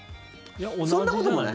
そんなこともない？